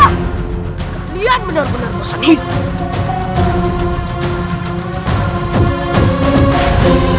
kalian benar benar pesan hidup